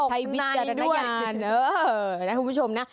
ตกในด้วย